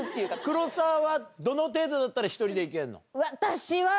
黒沢はどの程度だったら１人で行けるの？